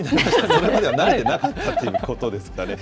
それまでは慣れてなかったということですかね。